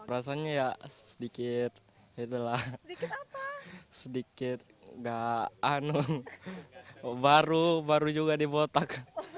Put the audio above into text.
rasanya ya sedikit sedikit gak aneh baru juga dibotak